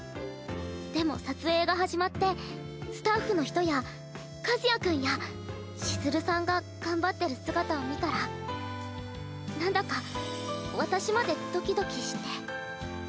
でも撮影が始まってスタッフの人や和也君や千鶴さんが頑張ってる姿を見たらなんだか私までドキドキして。